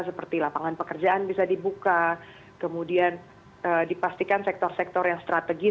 seperti lapangan pekerjaan bisa dibuka kemudian dipastikan sektor sektor yang strategis